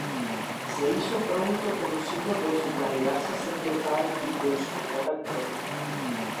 Se hizo pronto conocido por su caridad sacerdotal y por su amor al prójimo.